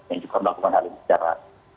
yang juga melakukan hal ini secara